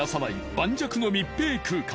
盤石の密閉空間。